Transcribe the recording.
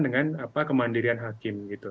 dengan kemandirian hakim gitu